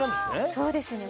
そうですね